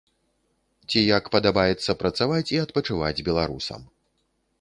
Ці як падабаецца працаваць і адпачываць беларусам.